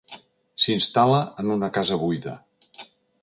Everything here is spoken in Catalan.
S'instal·la en una casa buida.